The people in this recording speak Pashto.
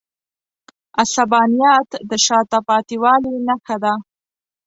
عصبانیت د شاته پاتې والي نښه ده.